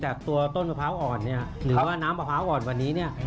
แต่ตัวต้นมะพร้าวอ่อนเนี่ยหรือว่าน้ำมะพร้าวอ่อนวันนี้เนี่ย